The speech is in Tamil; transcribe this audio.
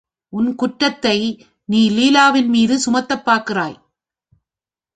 உன் குற்றத்தை நீ லீலாவின் மீது சுமத்தப் பார்க்கிறாய்.